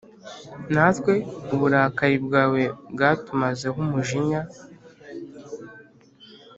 Natwe uburakari bwawe bwatumazeho Umujinya